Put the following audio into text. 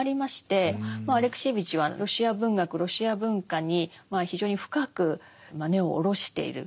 アレクシエーヴィチはロシア文学ロシア文化に非常に深く根を下ろしている。